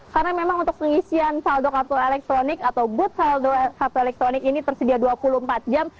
karena memang untuk pengisian saldo kartu elektronik atau booth saldo kartu elektronik ini tersedia dua puluh empat jam